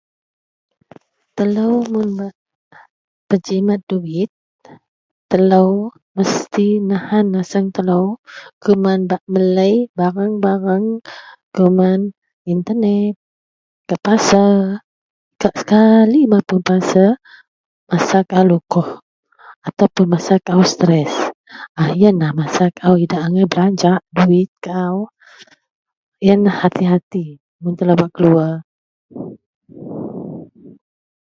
Telo mun bak bejimat duit telo mesti menahan naseng teli keman bak meli barang-barang keman internat gak pasar ka sekali mapun pasar masa kaau lukoh ataupun masa kaau stress masa yian kaau idak angai belanja duit kaau yian hati-hati mun telo bak keluar.